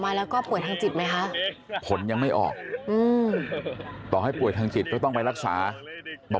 มีสีเงียบไหมครับ